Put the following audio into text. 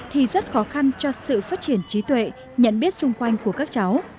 thì rất khó khăn cho sự phát triển trí tuệ nhận biết xung quanh của các cháu